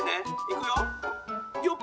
いくよ。